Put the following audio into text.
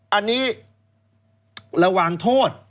อันนี้ระวังโทษ